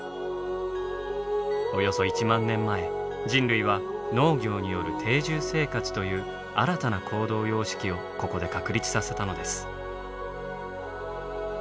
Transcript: およそ１万年前人類は農業による定住生活という新たな行動様式をここで確立させたのです。